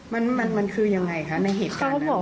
มันคือยังไงคะในเหตุการณ์นั้น